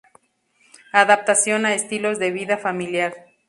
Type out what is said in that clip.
Adaptación a estilos de vida familiar".